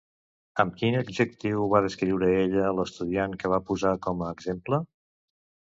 Amb quin adjectiu va descriure ella l'estudiant que va posar com a exemple?